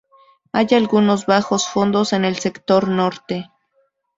Hay algunos bajos fondos en el sector norte.